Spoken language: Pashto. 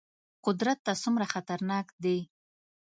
قدرت ته څومره خطرناک دي.